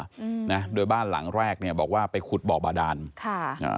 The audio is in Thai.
อืมนะโดยบ้านหลังแรกเนี้ยบอกว่าไปขุดบ่อบาดานค่ะอ่า